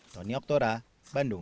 tony oktora bandung